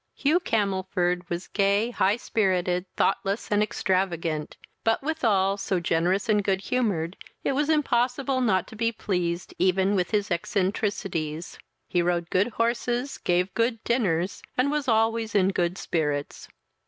Hugh Camelford was gay, high spirited, thoughtless, and extravagant; but with all so generous and good humoured, it was impossible not to be pleased even with his eccentricities; he rode good horses, gave good dinners, and was always in good spirits.